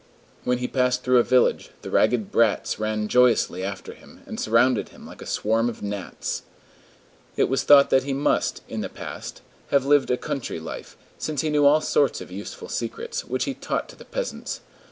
When he passed through a village, the ragged brats ran joyously after him, and surrounded him like a swarm of gnats. It was thought that he must, in the past, have lived a country life, since he knew all sorts of useful secrets, which he taught to the peasants.